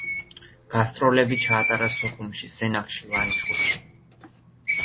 გასტროლები ჩაატარა სოხუმში, სენაკში, ლანჩხუთში.